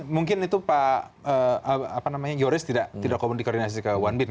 mungkin itu pak yoris tidak koordinasi ke one bin